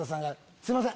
すいません！